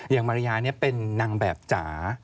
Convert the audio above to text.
อย่างมาริยาเนี่ยเป็นนางแบบจ๋า